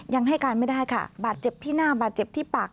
ยังให้การไม่ได้ค่ะบาดเจ็บที่หน้าบาดเจ็บที่ปาก